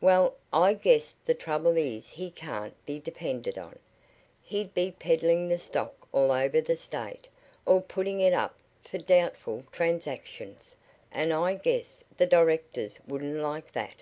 "Well, I guess the trouble is he can't be depended on. He'd be peddling the stock all over the State, or putting it up for doubtful transactions, and I guess the directors wouldn't like that.